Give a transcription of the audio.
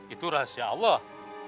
itu rahasia allah